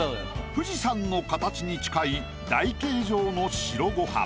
富士山の形に近い台形状の白ご飯。